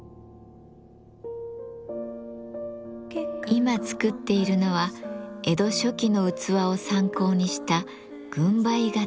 今作っているのは江戸初期の器を参考にした軍配形の絵皿。